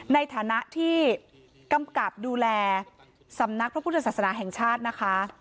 ในฐานะที่กำกับดูแลสำนักพระพุทธศาสนาแห่งชาตินะคะ